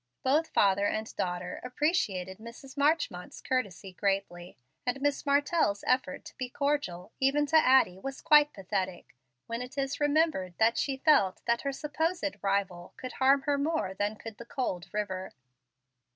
Both father and daughter appreciated Mrs. Marchmont's courtesy greatly; and Miss Martell's effort to be cordial, even to Addie, was quite pathetic, when it is remembered that she felt that her supposed rival would harm her more than could the cold river.